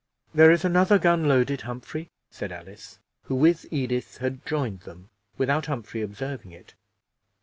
"There is another gun loaded, Humphrey," said Alice, who with Edith had joined them without Humphrey observing it.